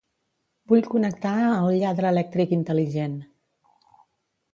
Vull connectar el lladre elèctric intel·ligent.